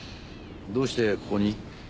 どうしてここに？